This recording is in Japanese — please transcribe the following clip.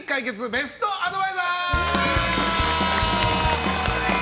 ベストアドバイザー。